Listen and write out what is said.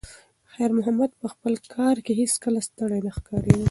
خیر محمد په خپل کار کې هیڅکله ستړی نه ښکارېده.